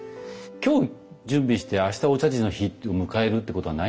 今日準備して明日お茶事の日を迎えるということはないんですよね。